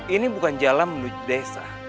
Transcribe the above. ini bukan jalan menuju desa